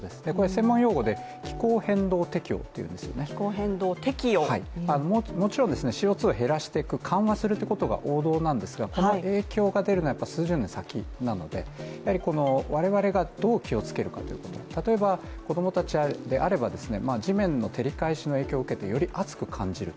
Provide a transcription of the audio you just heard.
専門用語で気候変動適応というんですが、もちろん、ＣＯ２を減らす、緩和していくというのが王道ですがこの影響が出るのは数十年先なのでやはり我々がどう気をつけるか、例えば子供たちであれば地面の照り返しの影響を受けてより暑く感じる。